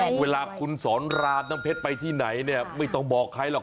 เวลาคุณสอนรามน้ำเพชรไปที่ไหนเนี่ยไม่ต้องบอกใครหรอก